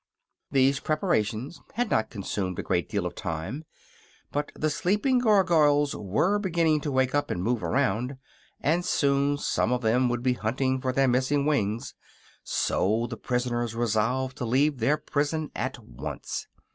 ] These preparations had not consumed a great deal of time, but the sleeping Gargoyles were beginning to wake up and move around, and soon some of them would be hunting for their missing wings. So the prisoners resolved to leave their prison at once.